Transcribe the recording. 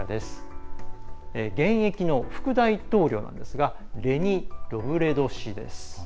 現役の副大統領なんですがレニ・ロブレド氏です。